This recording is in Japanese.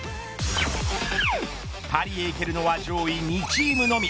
パリへ行けるのは上位２チームのみ。